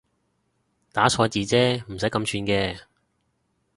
打錯字啫唔使咁串嘅